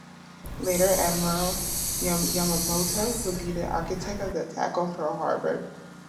Later, Admiral Yamamoto would be the architect of the attack on Pearl Harbor.